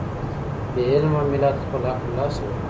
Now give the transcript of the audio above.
بې علمه ملت خپل حق له لاسه ورکوي.